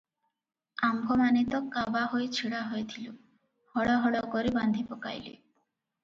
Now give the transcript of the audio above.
ଆମ୍ଭମାନେ ତ କାବା ହୋଇ ଛିଡ଼ା ହୋଇଥିଲୁ, ହଳ ହଳ କରି ବାନ୍ଧି ପକାଇଲେ ।